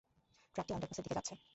ট্রাকটি আন্ডারপাসের দিকে যাচ্ছে।